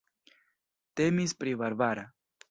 Temis pri Barbara.